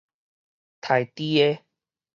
刣豬的